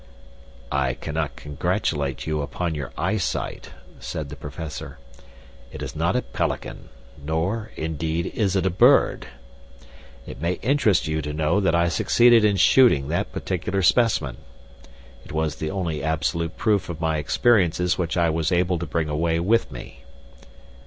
"I cannot congratulate you upon your eyesight," said the Professor. "It is not a pelican, nor, indeed, is it a bird. It may interest you to know that I succeeded in shooting that particular specimen. It was the only absolute proof of my experiences which I was able to bring away with me."